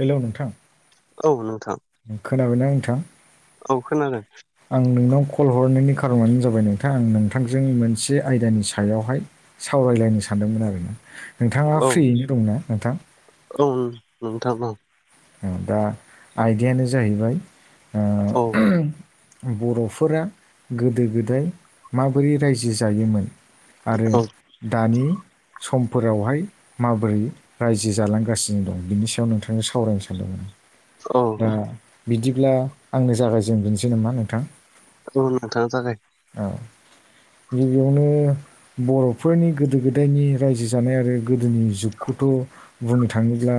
हेल' नोंथां। औ नोंथां। खोनाबायना नोंथां? औ खोनादों। आं नोंनाव कल हरनायनि खार'नानो जाबाय नोंथां आं नोंथांजों मोनसे आयदानि सायावहाय सावरायलायनो सानदोंमोन आरो। नोंथाङा औ फ्रियैनो दंना नोंथां? औ नोंथां औ दा आयदायानो जाहैबाय औ बर'फोरा गोदो -गोदाय माबोरै रायजो जायोमोन? आरो औ दानि सम फोरावहाय माबोरै रायजो जालांगासिनो दं? बिनि सायाव नोंथांजों सावरायनो सानदोंमोन। औ दा बिदिब्ला आंनो जागायजेननोसै नामा नोंथां? औ नोंथां जागाय। औ गिबियावनो बर'फोरनि गोदो -गोदायनि रायजो जानाय आरो गोदोनि जुगखौथ' बुंनो थाङोब्ला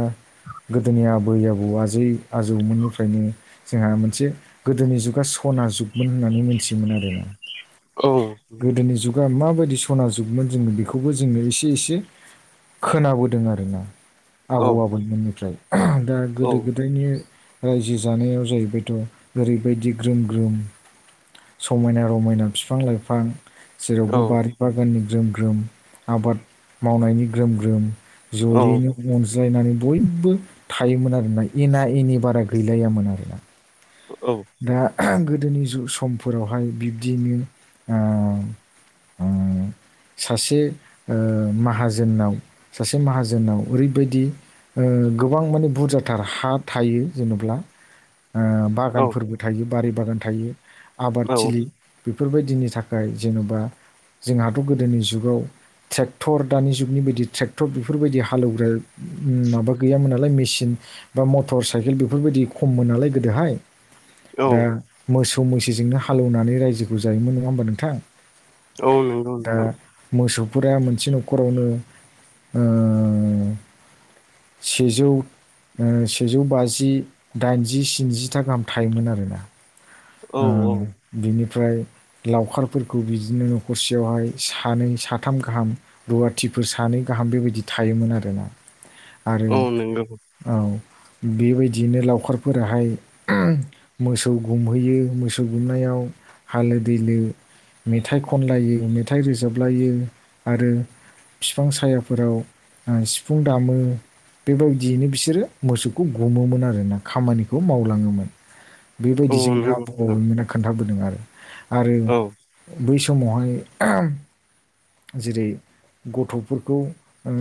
गोदोनि [unintelligible] आबै -आबौ आजै आजौमोननिफ्रायनो जोंहा मोनसे गोदोनि जुगा सना जुग होननानै मिथियोमोन आरोना औ गोदोनि जुग जुगा माबायदि सना जुगमोन जोङो बेखौबो जोंनो एसे -एसे खोनाबोदों आरोना। औ आबौ -आबैमोननिफ्राय दा औ गोदो- गोदायनि रायजो जानायाव जाहैबायथ' ओरैबायदि ग्रोम ग्रोम समायना -रमायना बिफां- लाइफां औ जेरावबो बारि बागाननि ग्रोम- ग्रोम आबाद मावनायनि ग्रोम -ग्रोम। जयैनो अनज्लायनानै बयबो थायोमोन आरोना एना- एनि बारा गैलायामोन आरोना। औ दा गोदोनि समफोरावहाय बिब्दियैनो ओ ओ सासे ओ माहाजोनाव सासे माहाजोनाव ओरैबायदि ओ गोबां माने बुरजाथार हा थायो जेनेब्ला ओ औ बागान बारि बागान थायो आबाद थिलि बेफोरबायदिनि थाखाय जेन'बा जोंहाथ' गोदोनि जुगाव ट्रेक्टर दानि जुगनि बायदि ट्रेक्टर बेफोरबायदि हालेवग्रा माबा गैयामोन नालाय मेसिन बा मटर साइकेल बेफोरबायदि खममोन नालाय गोदोहाय दा औ मोसौ मैसोजोंनो हालौवनानै रायजोखौ जायोमोन नङा होमबा नोंथां औ नंगौ नोंथां फुरा मोनसे न'खरावनो ओ सेजौ ओ सेजौ बाजि दाइनजि स्निजिथा गाहाम थायोमोन आरोना औ ओ औ बिनि ओमफ्राय लावखारफोरखौ बिदिनो न'खरसेयावहाय सानै साथाम गाहाम रुवाथि दैफोर सानै गाहाम बेबायदि थायोमोन आरोना आरो औ बेबायदियैनो लावखारफोराहाय मोसौ गुमहैयो मोसौ गुमनायाव हालो दैलो मेथाइ खनलायो मेथाइ रोजाबलायो आरो बिफां सायाफोराव सिफुं दामो बेबायदियैनो बिसोरो मोसौखौ गुमोमोन आरोना खामानिखौ मावलाङोमोन औ बेबायदि जोंनि नंगौ आबै नोंथां आबौमोना खोन्थाबोदों आरो आरो औ औ बै समावहाय जेरै गथ'फोरखौ ओ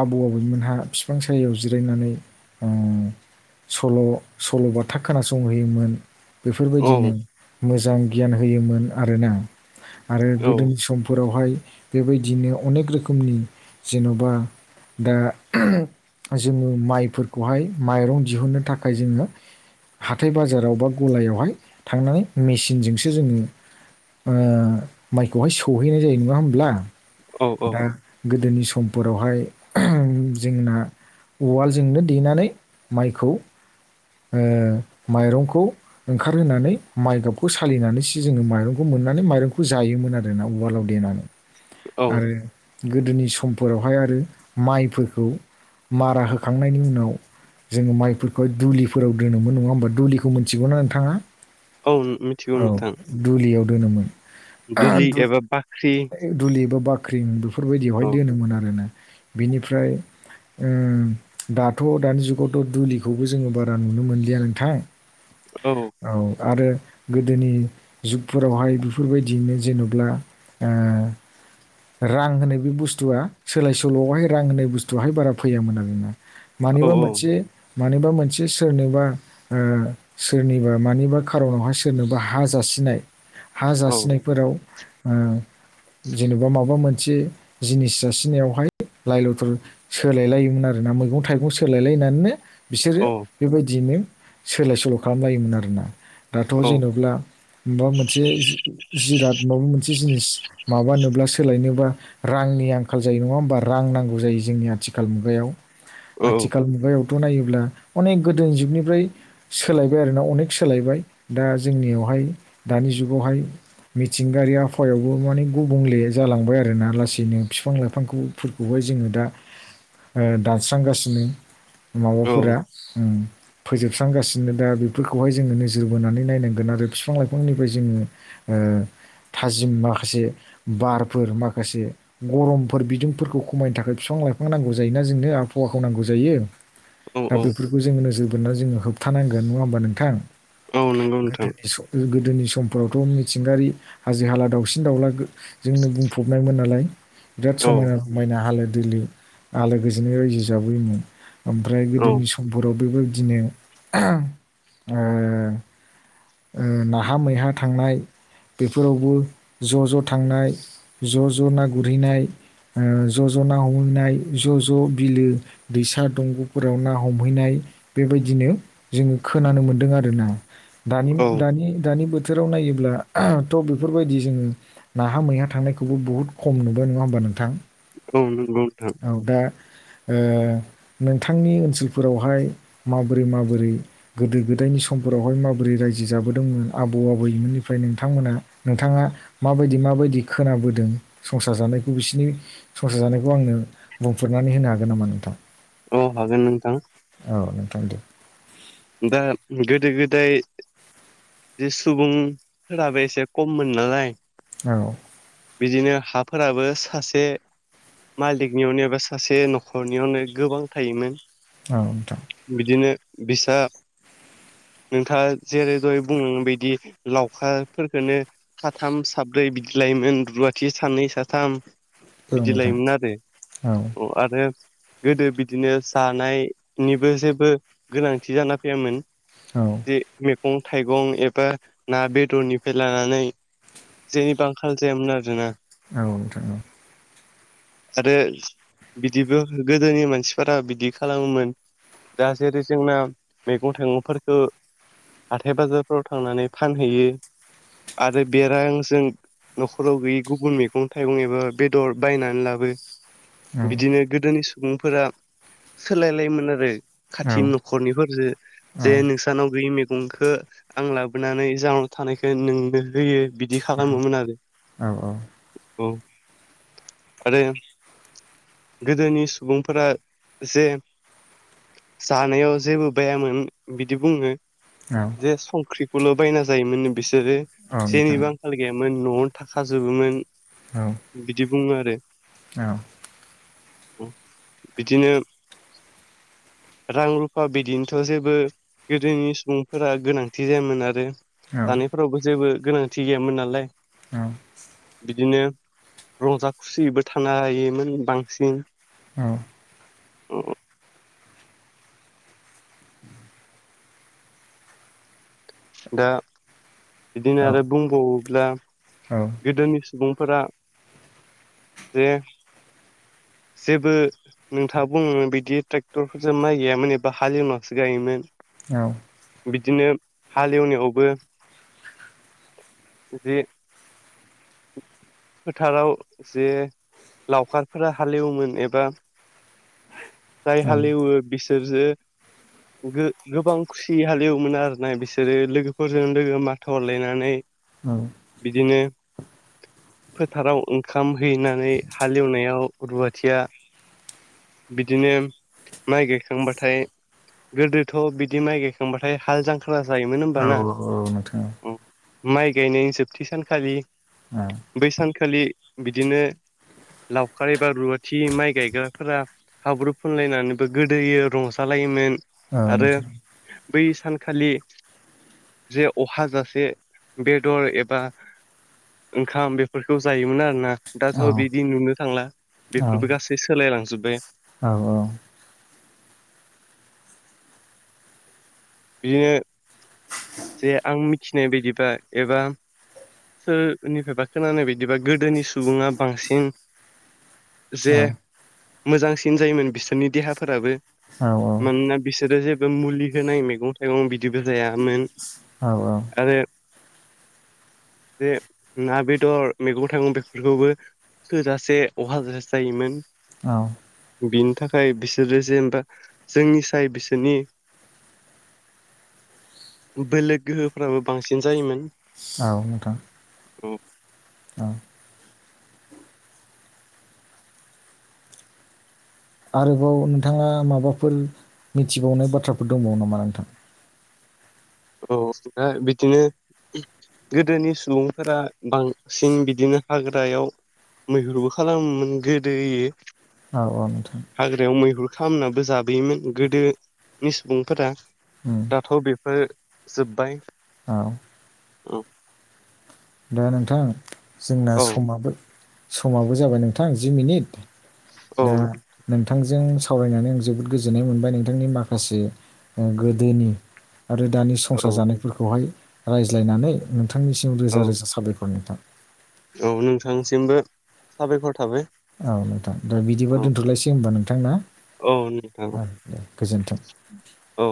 आबौ आबैमोनहा बिफां सायायाव जिरायनानै सल' सल'बााथा खोनासंहैयोमोन औ बेफोरबायदिनो मोजां गियान होयोमोन आरोना आरो औ गोदोनि समफोरावहाय बेबायदिनो अनेक रोखोमनि जेन'बा दा जोङो माइफोरखौहाय माइरं दिहुननो थाखाय जोङो हाथाय बाजाराव बा गलायावहाय थांनानै मेसिनजोंसो जोङो माइखौहाय सौहैनाय जायो नङा होमब्ला दा गोदोनि समफोरावहाय जोंना उवालजोंनो देनानै माइखौ माइरंखौ ओंखारहोनानै माइ गाबखौ सालिनानैसो जोङो माइरंखौ मोननो माइरंखौ जायोमोन आरोना उवालाव देनानै औ आरो गोदोनि समफोरावहाय आरो माइफोरखौ मारा होखांनायनि उनाव जोङो माइफोरखौ दुलि फोराव दोनोमोन नङा होनबा दुलिखौ मोनथिगौना नोंथाङा औ मिथिगौ औ नोंथां दुलियाव दोनोमोन दुलि एबा बाख्रि दुलिबा बाख्रि बाख्रि औ बेफोरबायदियावहाय दोनोमोन आरोना बिनिफ्राय दाथ' दानि जुगावथ' दुलिखौबो जोङो बारा बारा नुनो मोनलिया नोंथां औ आरो गोदोनि जुगफोरावहाय बेफोरबायदियैनो जेन'ब्ला ओ रां होनाय बे बुस्थुआ सोलाय सोल'आवहाय रां होनाय बुस्थुवहाय बारा फैयामोन आरोना औ मानिबा मोनसे मानिबा मोनसे मोनसे सोरनोबा सोरनिबा मानिबा खार'नावहाय सोरनोबा हा जासिनाय हा औ जासिनायफोराव जेनेबा माबा मोनसे जिनिस जासिनायावहाय लाइ लथर सोलायलायोमोन आरोना मैगं थाइगं सोलायलायनानैनो बिसोरो औ बेबायदियैनो सोलाय सोल' खालामलायोमोन आरोना दाथ' औ जेनेबा माबा मोनसे जिराद माबा मोनसे जिनिस माबानोब्ला सोलायनोबा रांनि आंखाल जायो नङा होमबा रां नांगौ जायो जोंनि आथिखाल मुगायाव औ आथिखाल मुगायावथ' नायोब्ला अनेक गोदो जुगनि जुगावहाय मिथिंगायारि आबहायावबो माने गुबुंले जालांबाय आरोना लासैनो बिफां लाइफांफोरखौहाय जोङो दा ओ दानस्रांगासिनो औ माबाफोरा उम फोजोबस्रांगासिनो दा बेफोरखौहाय जोङो नोजोर बोनानै नायनांगोन आरो बिफां लाइफांनिफ्राय जोङो ओ थाजिम माखासे बारफोर माखासे गरमफोर बिदुंफोरखौ खमायनो थाखाय बिफां बिफां लाइफां नांगौ जायोना जोंनो आबहावाखौ नांगौ जायो। दा औ बेफोरखौ जोङो नोजोर बोनानै जोङो होबथानांगोन नङा होमबा नोंथां। औ नंगौ नोंथां गोदोनि गोदोनि समफोरावथ' मिथिंगायारि हाजो हाला दाावसिन दाउला जोंनो बुंफबनायमोन नालाय बिराद औ समायना समायना हालोद दैलो आलो गोजोनै रायजो जाबोयोमोन ओमफ्राय औ गोदोनि समफोराव बे बिदिनो [unintelligible] उम ओ नाहा मैहा थांनाय बेफोरावबो ज' ज' थांनाय ज' ज' ना गुरहैनाय उम ज' ज'ना हमहैनाय ज' ज' बिलो दैसा दंग'फोर बेयाव ना हमहैनाय बेबायदिनो जोङो खोनानो मोन्दों आरो ना। दानि औ दानि दानि बो थोराव नायोब्ला थ' बेफोरबायदि जोङो नाहा मैहा थांनायखौबो बुहुद खम नुबाय नङा होमबा नोंथां औ नंगौ नोंथां औ दा ओ नों थांनि ओनसोलफोरावहाय माबोरै माबोरै गोदो गोदायनि समफोरावहाय माबोरै रायजो जा बोदोंमोन आबौ आबैमोननिफ्राय नोंथांमोना नोंथाङा माबायदि माबायदि खोनाबोदों संसार जानायखौ बिसिरनि संसार जानायखौ आंनो बुंफोरनानै होनो हागोन नामा नोंथां औ हागोन नोंथां औ नोंथां दे दा गोदो गोदाय जे सुबुंफोराबो एसे कममोन नालाय औ बिदिनो हा फोराबो सासे मालिकनियावनो एबा सासे न'खरनियावनो गोबां थायोमोन। औ नोंथां बिदिनो बिसा [inaudible] नोंथाङा जेरै दहाय बुंलांनायबादि लावखारफोरखौनो साथाम साब्रै बिदिलायमोन रुवाथि सानै साथाम औ बिदि नोंथां लायोमोन आरो औ अ आरो गोदो बिदिनो जानायनिबो जेबो गोनांथि जाना फैयामोन। औ जे मैगं थाइगं एबा ना बेदरनिफ्राय लानानै जेनिबो आंखाल जयामोन आरो ना। औ नोंथां औ आरो बिदिबो गोदोनि मानसिफोरा बिदि खालामोमोन। दा जेरै जोंना मैगं थाइगंफोरखो हाथाय बाजारफोराव थांनानै फानहैयो आरो बेरांजों न'खराव गैयि गुबुन मैगं थाइगं एबा बेदर बायनानै लाबो औ बिदिनो गोदोनि सुबुंफोरा सोलायलायोमोन आरो खाथि न'खरनिफोरजों जे नोंसानाव बे मैगंखौ आं लाबोनानै जाहाव थानायखौ नोंनो होयो। बिदि खालामोमोन आरो औ औ आरो गोदोनि सुबुंफोरा जे जानायाव जेबो बायोन बिदि बुङो औ जे संख्रिखौल' बायना जायोमोन। बिसोरो औ नोंथां जेनिबो आंखाल गैयामोन न'आवनो थाखाजोबोमोन। औ। बिदि बुङो आरो। औ। बिदिनो रां रुफा बिदिन थ' जेबो गोदोनि सुबुंफोरा गोनांथि जायामोन आरो औ जानायफोरावबो जेबो गोनांथि गैयामोन नालाय। औ। दिनो रंजा खुसिबो थानो हायोमोन बांसिन। अह। [inaudible] दा बिदिनो औ आरो बुंबावोब्ला औ गोदोनि सुबुं फोरा जे जेबो नोंथाङा बुंलांनाय बायदि ट्रेक्टरफोरजों माइ गायामोन एबा हालेवनासो गायोमोन। औ। बिदिनो हालेवनायावबो जे फोथाराव जे लावखारफोरा हालेवोमोन एबा [inaudible] जाय औ हालेवो बिसोरजो गो-गोबां खुसि हालेवोमोन आरोना बिसोरो लोगोफोरजों लोगो माथो हरलायनानै। औ बिदिनो फोथाराव ओंखाम हैनानै हालेवनायाव रुवाथिया बिदिनो माइ गायखांबाथाय गोदोथ' बिदि माइ गायखांबाथाय हाल जांख्रा जायोमोन औ होमबाना? औ नोंथां ओम। माइ गायनायनि जोबथि सानखालि औ बै सानखालि बिदिनो लावखार एबा रुवाथि माइ गायग्रा फोरा हाब्रु फुनलायनानैबो गोदोयो रंजालायोमोन। औ आरो नोंथां बै सानखालि जे अहा जासे बेदर एबा ओंखाम बेफोरखौ जायोमोन आरोना। दाथ' औ बिदि नुनो थांला। औ बेफोरबो गासै सोलायलांजोब औ औ। [unintelligible] जे आं मिथिनाय बायदिबा एबा सोरनिफायबा खोनानाय बायदिबा गोदोनि सुबुङा बांसिन जे मोजांसिन जायोमोन बिसोरनि देहाफोराबो। मानोना बिस सोरो जेबो मुलि होनाय मैगं थाइगं बिदिबो जायामोन। औ औ। आरो [inaudible] जे ना बेदर मैगं थाइगं बेफोरखौबो थोजासे अहाजासे जायोमोन। बिनि थाखाय बिसोरो जेनबा जोंनिसाय बिसोरनि [inaudible] बोलो गोहोफ्राबो बांसिन जायोमोन। औ नोंथां। [inaudible] औ आरोबाव नोंथाङा माबाफोर मिथिबावनाय बाथ्राफोर दंबावो नामा नोंथां? [inaudible] औ दा बिदिनो गोदोनि सुबुंफोरा बांसिन बिदिनो हाग्रायाव मैहुरबो खालामोमोन गोदोयो। औ औ नोंथां। खामनाबो जाबोयोमोन गोदोनि सुबुंफोरा उम दाथ' बेफोर जोबबाय। औ। ओम। दा नोंथां जोंना औ समाबो समाबो जाबाय नोंथां जि मिनिट औ दा नोंथांजों सावरायनानै आं जोबोद गोजोननाय मोनबाय नोंथांनि माखासे ओ गोदोनि आरो दानि संसार औ जानायफोरखौहाय रायज्लायनानै नोंथांनिसिम रोजा रोजा बेखौ नोंथां औ नोंथांसिमबो साबायखर थाबाय। औ नोंथां दा बिदिबो औ दोनथ'लायसै होमबा नोंथां ना? औ नोंथां [inaudible] दे गोजोनथों। [inaudible] औ